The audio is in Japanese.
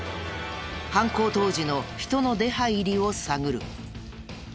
犯行当時の人の出入りを探る。